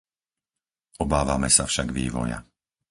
Obávame sa však vývoja.